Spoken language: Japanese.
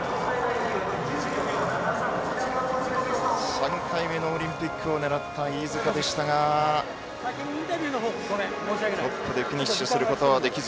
３回目のオリンピックを狙った飯塚でしたがトップでフィニッシュすることはできず。